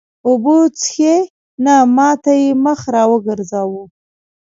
اوبه څښې؟ نه، ما ته یې مخ را وګرځاوه.